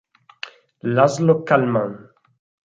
László Kálmán